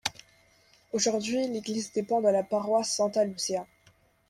Aujourd'hui l'église dépend de la paroisse Santa Lucia.